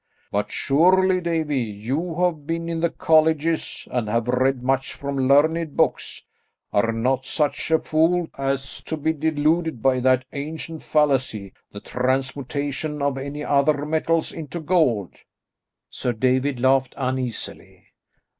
But surely, Davie, you, who have been to the colleges, and have read much from learned books, are not such a fool as to be deluded by that ancient fallacy, the transmutation of any other metals into gold?" Sir David laughed uneasily.